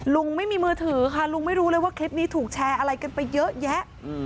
ลุงไม่มีมือถือค่ะลุงไม่รู้เลยว่าคลิปนี้ถูกแชร์อะไรกันไปเยอะแยะ